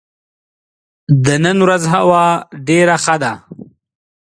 د نن ورځ هوا ډېره ښه ده.